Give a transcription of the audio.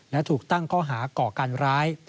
และถูกตั้งข้อหาก่อการร้าย